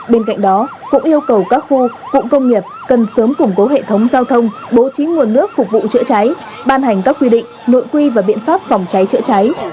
bên cạnh đó cũng yêu cầu các khu cụm công nghiệp cần sớm củng cố hệ thống giao thông bố trí nguồn nước phục vụ chữa cháy ban hành các quy định nội quy và biện pháp phòng cháy chữa cháy